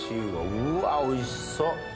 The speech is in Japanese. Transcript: うわおいしそう！